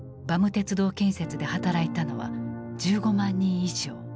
鉄道建設で働いたのは１５万人以上。